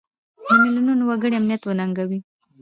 د میلیونونو وګړو امنیت وننګوي.